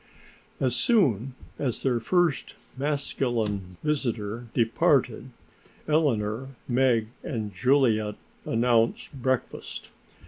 As soon as their first masculine visitor departed Eleanor, Meg and Juliet announced breakfast.